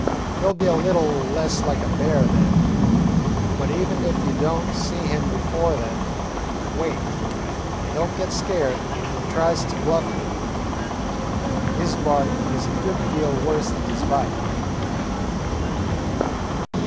He 'll be a little less like a bear then. But even if you don't see him before then, wait, and don't get scared if he tries to bluff you. His bark is a good deal worse than his bite."